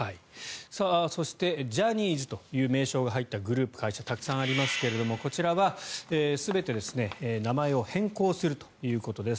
そして、ジャニーズという名称が入ったグループ、会社たくさんありますがこちらは全て名前を変更するということです。